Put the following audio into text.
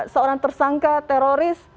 seorang tersangka teroris